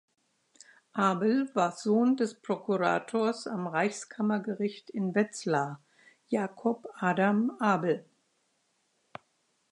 Abel war Sohn des Prokurators am Reichskammergericht in Wetzlar, Jacob Adam Abel.